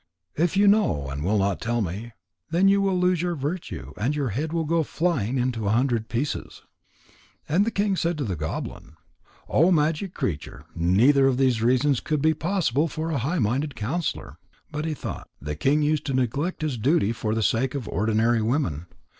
If you know and will not tell me, then you will lose your virtue, and your head will go flying into a hundred pieces." And the king said to the goblin: "O magic creature, neither of these reasons would be possible for a high minded counsellor. But he thought: The king used to neglect his duties for the sake of ordinary women.